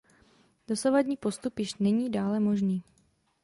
Dosavadní postup již není dále možný.